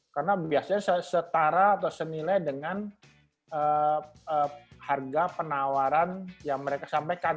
karena biasanya setara atau senilai dengan harga penawaran yang mereka sampaikan